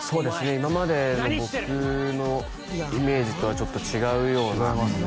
今までの僕のイメージとはちょっと違うような違いますね